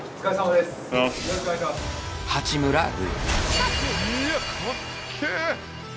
八村塁！